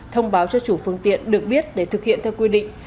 thông báo cho chủ phương tiện được biết để thực hiện theo quy định